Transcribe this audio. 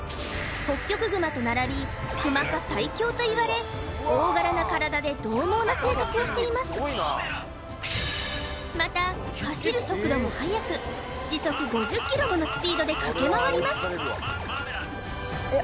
ホッキョクグマと並びクマ科最強といわれ大柄な体でどう猛な性格をしていますまた走る速度も速く時速５０キロものスピードで駆け回りますええ！？